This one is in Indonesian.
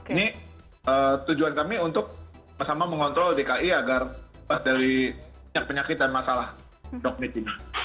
ini tujuan kami untuk bersama mengontrol dki agar lepas dari penyakit penyakit dan masalah dokne cina